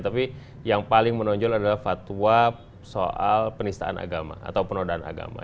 tapi yang paling menonjol adalah fatwa soal penistaan agama atau penodaan agama